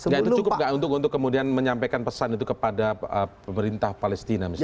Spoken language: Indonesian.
nggak itu cukup nggak untuk kemudian menyampaikan pesan itu kepada pemerintah palestina misalnya